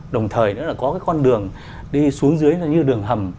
đồng thời có con đường đi xuống dưới như đường hầm